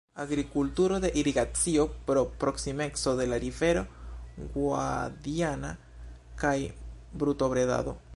Agrikulturo de irigacio pro proksimeco de la rivero Guadiana kaj brutobredado.